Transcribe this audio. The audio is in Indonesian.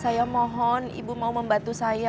saya mohon ibu mau membantu saya